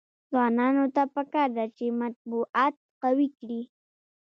ځوانانو ته پکار ده چې، مطبوعات قوي کړي.